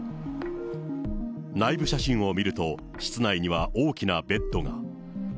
内部写真を見ると、室内には大きなベッドが。